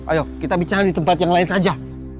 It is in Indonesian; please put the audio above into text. ayo kita bicara di tempat yang lain saja